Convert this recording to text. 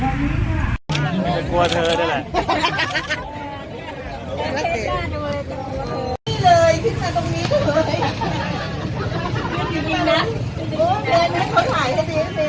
วันต่ำในเกียรติฝรั่งดูซิว่ามันจะได้ไหม